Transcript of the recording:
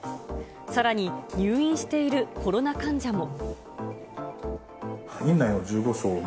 さらに、入院しているコロナ患者も。